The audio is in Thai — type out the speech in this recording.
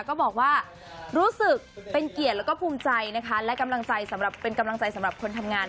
ก็บอกว่ารู้สึกเป็นเกียรติแล้วก็ภูมิใจนะคะและกำลังใจสำหรับเป็นกำลังใจสำหรับคนทำงาน